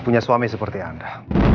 punya suami seperti anda